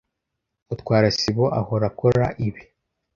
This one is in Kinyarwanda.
Mutwara sibo ahora akora ibi.